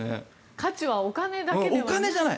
価値はお金だけじゃない。